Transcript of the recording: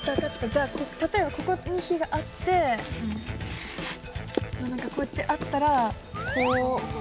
じゃあ例えばここに火があってなんかこうやってあったらこうかぶって。